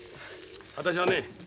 私はね